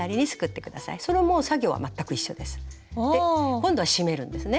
今度は締めるんですね